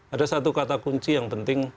ada satu kata kunci yang penting